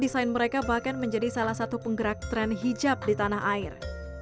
desain mereka bahkan menjadi salah satu penggerak tren hijab di tanah air